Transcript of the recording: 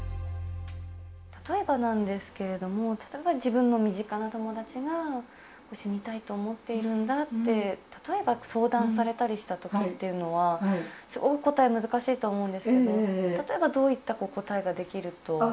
例えばなんですけど、例えば自分の身近な友達が、死にたいと思っているんだって、例えば相談されたりしたときっていうのは、すごく答え、難しいと思うんですけど、例えばどういった答えができると？